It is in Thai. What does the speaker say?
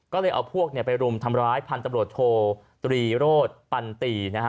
ก็เลยเอาพวกไปรุมทำร้ายพันธุ์ตำรวจโทตรีโรธปันตีนะฮะ